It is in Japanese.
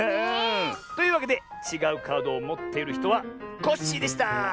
というわけでちがうカードをもっているひとはコッシーでした！